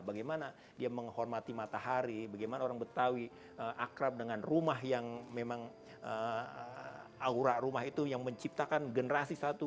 bagaimana dia menghormati matahari bagaimana orang betawi akrab dengan rumah yang memang aura rumah itu yang menciptakan generasi satu